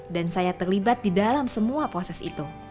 dan saya terlibat di dalam semua proses itu